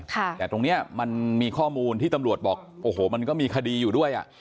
แต่ตรงนี้มันมีข้อมูลที่ตำรวจบอกโอ้โหมันก็มีคดีอยู่ด้วยอ่ะ